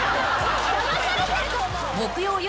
［木曜夜］